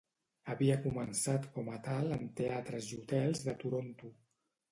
Havia començat com a tal en teatres i hotels de Toronto.